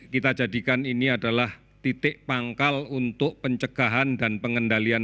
kita jadikan ini adalah titik pangkal untuk pencegahan dan pengendalian